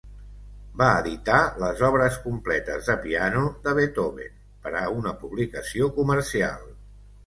Va editar les obres completes de piano de Beethoven per a una publicació comercial.